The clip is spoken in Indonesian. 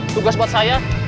tugas buat saya